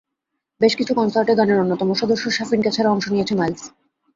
বেশ কিছু কনসার্টে গানের অন্যতম সদস্য শাফিনকে ছাড়া অংশ নিয়েছে মাইলস।